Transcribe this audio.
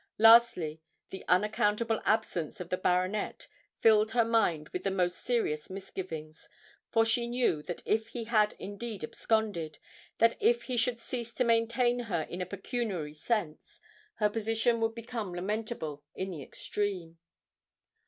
Lastly, the unaccountable absence of the baronet filled her mind with the most serious misgivings; for she knew that if he had indeed absconded, and if he should cease to maintain her in a pecuniary sense, her position would become lamentable in the extreme.